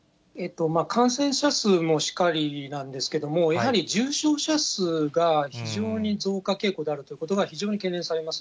感染者数もしかりなんですけども、やはり重症者数が非常に増加傾向であるということが非常に懸念されます。